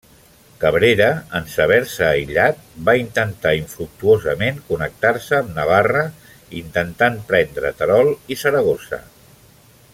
Cabrera, en saber-se aïllat, va intentar infructuosament connectar-se amb Navarra intentant prendre Terol i Saragossa.